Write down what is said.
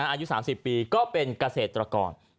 อายุ๓๐ปีก็เป็นเกษตรกร